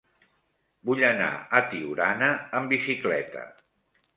Vull anar a Tiurana amb bicicleta.